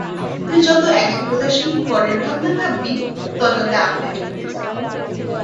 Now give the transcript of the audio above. তুই যত একাগ্রতার সহিত পরের ভাবনা ভাববি, ততটা আপনাকে ভুলে যাবি।